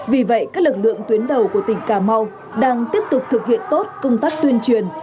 vì vậy các lực lượng tuyến đầu của tỉnh cà mau đang tiếp tục thực hiện tốt công tác tuyên truyền